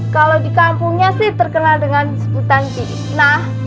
kalau di kampungnya sih terkenal dengan sebutan pikna